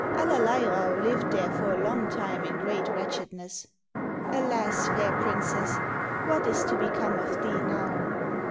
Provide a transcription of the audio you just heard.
Allerleirauh lived there for a long time in great wretchedness. Alas, fair princess, what is to become of thee now!